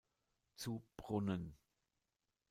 Zu Brunnen